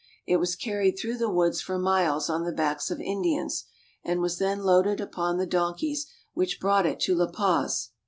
It was carried through the woods for miles on the backs of Indians, and was then loaded upon the donkeys which brought it to La Paz.